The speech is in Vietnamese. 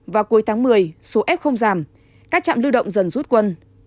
vào cuối tháng một mươi số f không giảm các trạm lưu động dần rút quân